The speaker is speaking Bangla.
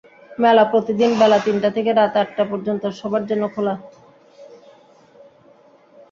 মেলা প্রতিদিন বেলা তিনটা থেকে রাত আটটা পর্যন্ত সবার জন্য খোলা।